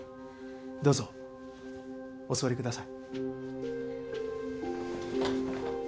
どうぞお座りください。